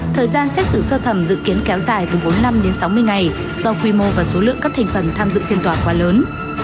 thời gian xét xử sơ thẩm dự kiến kéo dài từ bốn năm đến sáu mươi ngày do quy mô và số lượng các thành phần tham dự phiên tòa quá lớn